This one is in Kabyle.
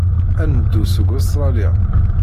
Ad neddu seg Ustṛalya.